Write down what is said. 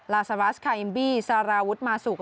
ลาซาวาสคาอิมบี้ซาราวุทธ์มาสุก